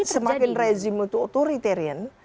jadi semakin rezim itu authoritarian